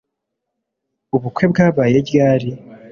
Ubukwe bwabaye ryari